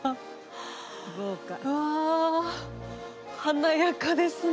うわ華やかですね